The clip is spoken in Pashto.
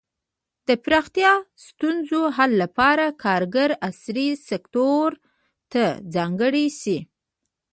د پراختیايي ستونزو حل لپاره کارګر عصري سکتور ته ځانګړي شي.